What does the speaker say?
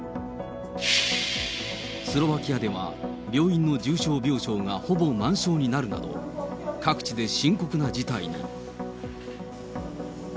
スロバキアでは病院の重症病床がほぼ満床になるなど、各地で深刻な事態に。